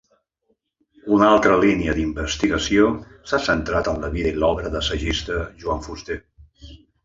Una altra línia d'investigació s'ha centrat en la vida i l'obra de l'assagista Joan Fuster.